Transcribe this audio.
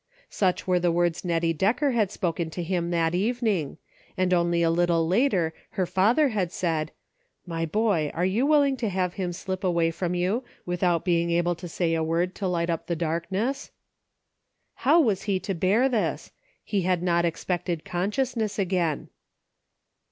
Such were the words Nettie Decker had spoken to him that evening, and only a little later her father had said, " My boy, are you willing to have him slip away from you without being able to say a word to light up the darkness ?" How was he to bear this ? He had not expected consciousness again.